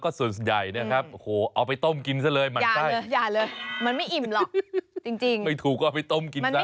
เคยกินแล้วใช่ไหม